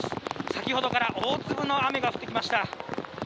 先ほどから大粒の雨が降ってきました。